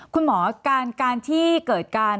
คุณหมอการที่เกิดการ